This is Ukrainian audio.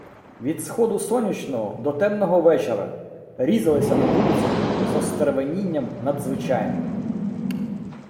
Від сходу сонячного до темного вечора різалися на вулицях з остервенінням надзвичайним